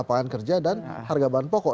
harga bahan kerja dan harga bahan pokok